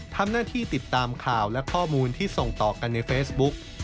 ทำหน้าที่ติดตามข่าวและข้อมูลที่ส่งต่อกันในเฟซบุ๊ก